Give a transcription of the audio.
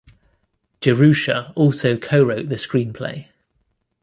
Jerusha also co-wrote the screenplay.